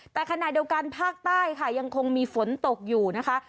แต่ขณะเดียวกันภาคใต้ค่ะยังคงมีฝนตกอยู่นะคะ